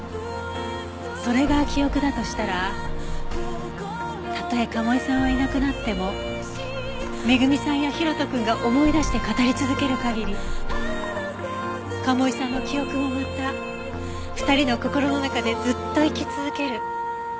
それが記憶だとしたらたとえ賀茂井さんはいなくなっても恵美さんや大翔くんが思い出して語り続ける限り賀茂井さんの記憶もまた２人の心の中でずっと生き続ける。